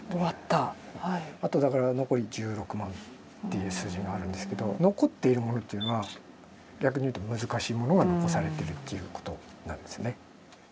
あとだから残り１６万という数字があるんですけど残っているものというのは逆に言うと難しいものが残されているということなんですね。